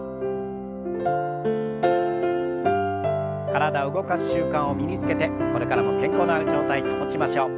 体を動かす習慣を身につけてこれからも健康な状態保ちましょう。